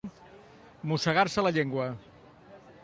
Mossegar-se la llengua.